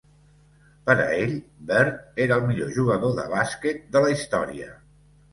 Per a ell, Bird era el millor jugador de bàsquet de la història.